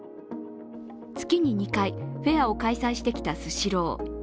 月に２回、フェアを開催してきたスシロー。